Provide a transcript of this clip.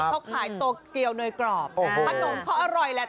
เขาขายโตเกียวเนยกรอบขนมเขาอร่อยแหละ